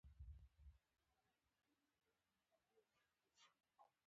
رومیان له یخو اوبو سره تازه وي